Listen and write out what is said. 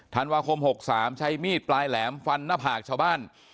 ธันวาคม๖๓ใช้มีดปลายแหลมฟันหน้าผากชาวบ้าน